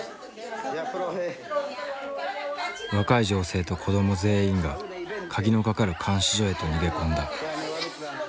若い女性と子ども全員が鍵のかかる監視所へと逃げ込んだ。